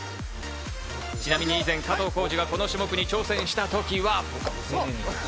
ちなみに以前、加藤浩次がこの種目に挑戦した時は。